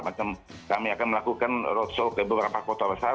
macam kami akan melakukan roadshow ke beberapa kota besar